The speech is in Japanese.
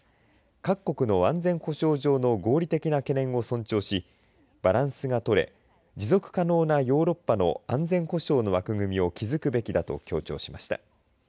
各国の安全保障上の合理的な懸念を尊重しバランスがとれ持続可能なヨーロッパの安全保障の枠組みを築くべきだと強調しました。